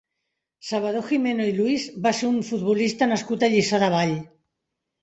Salvador Gimeno i Luis va ser un futbolista nascut a Lliçà de Vall.